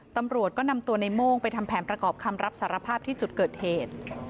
ตำรวจก็นำตัวในโม่งไปทำแผนประกอบคำรับสารภาพที่จุดเกิดเหตุ